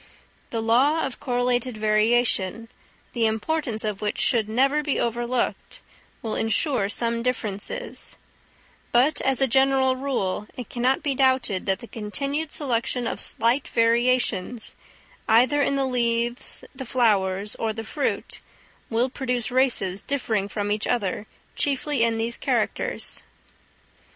The law of correlated variation, the importance of which should never be overlooked, will ensure some differences; but, as a general rule, it cannot be doubted that the continued selection of slight variations, either in the leaves, the flowers, or the fruit, will produce races differing from each other chiefly in these characters.